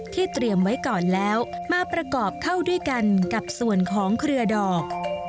เตรียมไว้ก่อนแล้วมาประกอบเข้าด้วยกันกับส่วนของเครือดอก